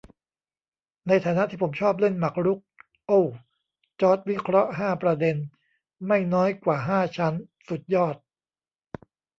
"ในฐานะที่ผมชอบเล่นหมากรุก" ! โอ้ว จอร์จ วิเคราะห์ห้าประเด็น ไม่น้อยกว่าห้าชั้น สุดยอด !